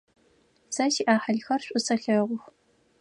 Сэ сиӏахьылхэр шӏу сэлъэгъух.